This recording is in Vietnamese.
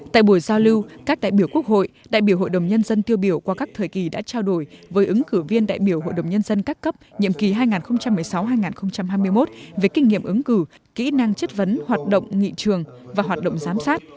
tại buổi giao lưu các đại biểu quốc hội đại biểu hội đồng nhân dân tiêu biểu qua các thời kỳ đã trao đổi với ứng cử viên đại biểu hội đồng nhân dân các cấp nhiệm kỳ hai nghìn một mươi sáu hai nghìn hai mươi một về kinh nghiệm ứng cử kỹ năng chất vấn hoạt động nghị trường và hoạt động giám sát